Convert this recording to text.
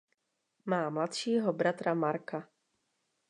Má mladšího bratra Marca.